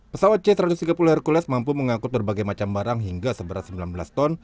pesawat c satu ratus tiga puluh hercules mampu mengangkut berbagai macam barang hingga seberat sembilan belas ton